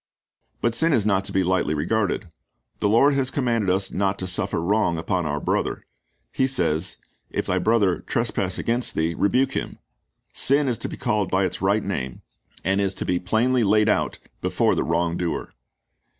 ^ But sin is not to be lightly regarded. The Lord has commanded us not to suffer wrong upon our brother. He says, "If thy brother trespass against thee, rebuke him."'^ Sin is to be called by its right name, and is to be plainly laid out before the wrong doer.